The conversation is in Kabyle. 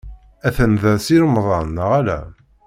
Atan da Si Remḍan, neɣ ala?